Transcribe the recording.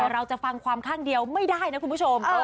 เราจะฟังความข้างเดียวไม่ได้นะคุณผู้ชม